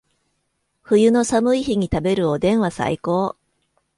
冬の寒い日に食べるおでんは最高